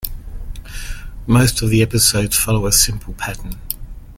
Most of the episodes follow a simple pattern.